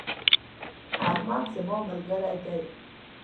احمد زما ملګری دی.